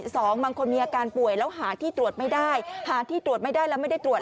สองบางคนมีอาการป่วยแล้วหาที่ตรวจไม่ได้หาที่ตรวจไม่ได้แล้วไม่ได้ตรวจ